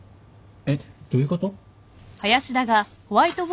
えっどういうこと？